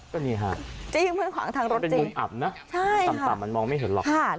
ก็มีค่ะมันเป็นมุมอับนะตามมันมองไม่เห็นหรอก